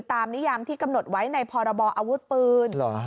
นิยามที่กำหนดไว้ในพรบออาวุธปืน